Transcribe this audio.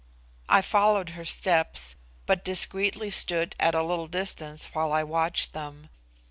I followed her steps, but discreetly stood at a little distance while I watched them.